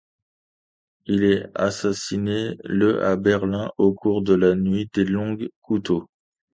Il est assassiné le à Berlin, au cours de la nuit des Longs Couteaux.